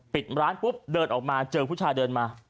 ปิดร้านปุ๊บเดินออกมาเจอผู้ชายเดินมา